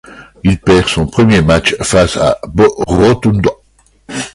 Il perd son premier match face à Bo Rotundo.